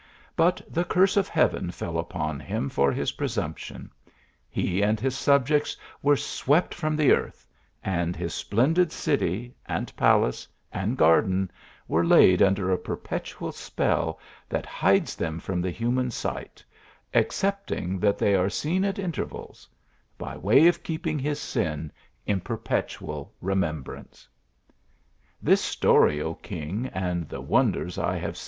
But the curse of heaven fell upon him for his presumption. He and his subjects were swept from the earth, and his splendid city, and palace, and garden, were laid under a perpetual spell, that hides them from the human sight, excepting that they are seen at inter vals ; by way of keeping his sin in perpetual remem brance. THE ARABIAN ASR TOL 0., ER m "This story, O king, and the wonders I haa .